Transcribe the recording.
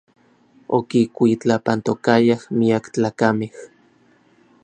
Okikuitlapantokayaj miak tlakamej.